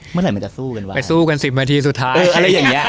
เมื่อไหร่มันจะสู้กันวะไปสู้กันสิบนาทีสุดท้ายอะไรอย่างนี้